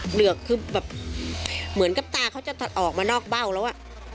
เหลือกคือแบบเหมือนกับตาเขาจะออกมานอกเบ้าแล้วอ่ะ